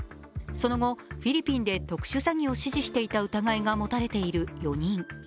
その後、フィリピンで特殊詐欺を指示していた疑いが持たれている４人。